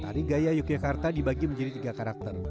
tadi gaya yogyakarta dibagi menjadi tiga karakter